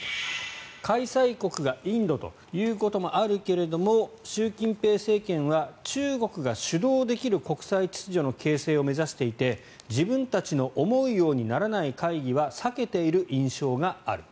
開催国がインドということもあるけれど習近平政権は中国が主導できる国際秩序の形成を目指していて自分たちの思うようにならない会議は避けている印象がある。